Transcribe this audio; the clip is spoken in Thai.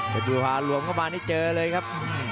เผ็ดบุรภาพหลวงเข้ามานี่เจอเลยครับ